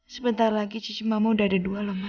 sebentar lagi cici mama udah ada dua loh ma